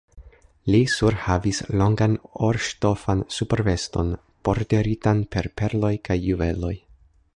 Li surhavis longan orŝtofan superveston, borderitan per perloj kaj juveloj.